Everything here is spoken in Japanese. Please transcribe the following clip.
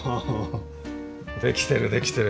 できてるできてる！